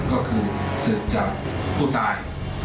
ก็คือสืบจากผู้ตาย